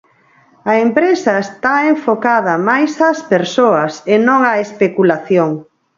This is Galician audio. A empresa está enfocada máis ás persoas e non á especulación.